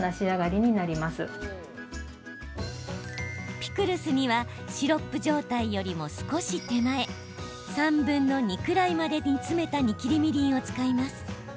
ピクルスにはシロップ状態よりも少し手前３分の２くらいまで煮詰めた煮きりみりんを使います。